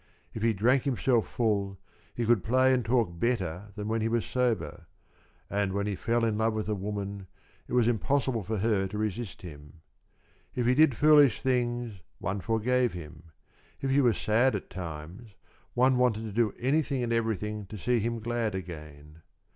If he drank himself full, he could play and talk better than when he was sober, and when he fell in love with a woman, it was impossible for her to resist him. If he did foolish things, one forgave him; if he was sad at times, one wanted to do anything and everything to see him glad again.